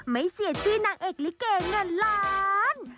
ไม่เสียชื่อนางเอกลิเกเงินล้าน